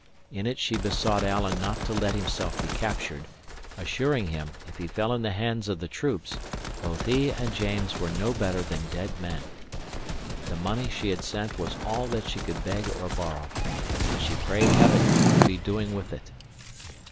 In it she besought Alan not to let himself be captured, assuring him, if he fell in the hands of the troops, both he and James were no better than dead men. The money she had sent was all that she could beg or borrow, and she prayed heaven we could be doing with it.